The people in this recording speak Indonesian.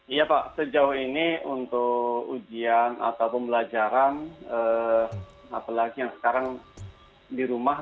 iya pak sejauh ini untuk ujian atau pembelajaran apalagi yang sekarang di rumah